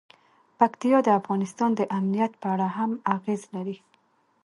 پکتیا د افغانستان د امنیت په اړه هم اغېز لري.